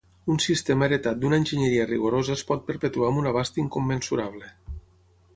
Un sistema heretat d'una enginyeria rigorosa es pot perpetuar amb un abast incommensurable.